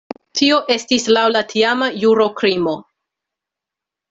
Tio estis laŭ la tiama juro krimo.